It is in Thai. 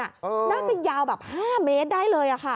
น่าจะยาวแบบ๕เมตรได้เลยค่ะ